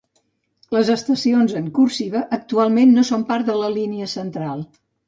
Les estacions en cursiva actualment no son part de la línia Central.